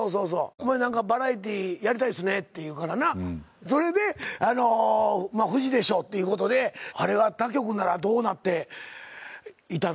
お前「バラエティーやりたいっすね」って言うからなそれでフジでしょっていうことであれが他局ならどうなっていたのかとか。